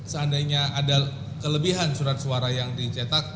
seandainya ada kelebihan surat suara yang dicetak